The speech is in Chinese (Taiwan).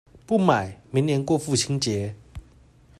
不買，明年過父親節